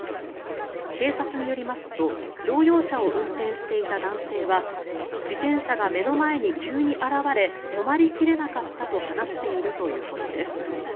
警察によりますと乗用車を運転していた男性は自転車が目の前に急に現れ止まり切れなかったと話しているということです。